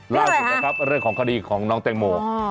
เรื่องของคดีของน้องแตงโม